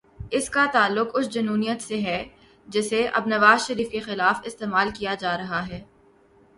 اس کا تعلق اس جنونیت سے ہے، جسے اب نواز شریف کے خلاف استعمال کیا جا رہا ہے۔